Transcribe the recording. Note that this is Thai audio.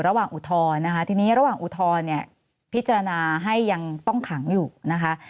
อุทธรณ์นะคะทีนี้ระหว่างอุทธรณ์เนี่ยพิจารณาให้ยังต้องขังอยู่นะคะ